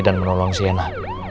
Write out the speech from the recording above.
dan menolong sienna